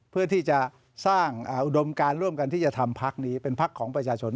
เพื่อที่จะสร้างอุดมการร่วมกันที่จะทำพักนี้เป็นพักของประชาชน